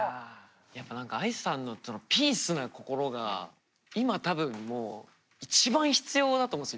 やっぱ何かＡＩさんのピースな心が今多分もう一番必要だと思うんです世の中に。